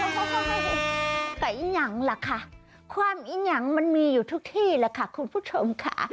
แต่อีกอย่างล่ะค่ะความอิงยังมันมีอยู่ทุกที่แหละค่ะคุณผู้ชมค่ะ